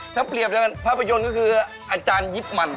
ถ้าเปรียบกันภาพภายนก็คืออาจารย์ยิทมั่น